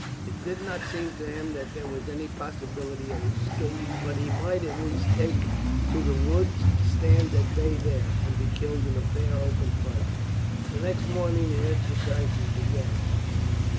It did not seem to him that there was any possibility of escape, but he might at least take to the woods, and stand at bay there, and be killed in a fair open fight. The next morning the exercises began.